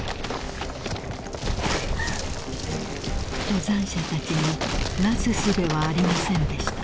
［登山者たちになすすべはありませんでした］